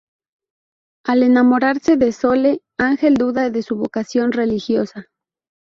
Al enamorarse de Sole, Ángel duda de su vocación religiosa.